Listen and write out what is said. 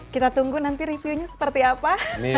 kita tunggu nanti reviewnya seperti apa